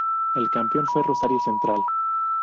El campeón fue Rosario Central.